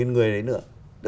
người đấy nữa